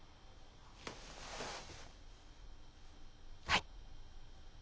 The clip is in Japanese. はい。